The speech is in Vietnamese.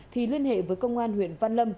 thì liên hệ với công an huyện văn lâm